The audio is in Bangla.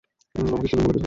আমাকে স্টিফেন বলে ডেকো।